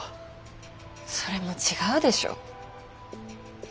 それも違うでしょ。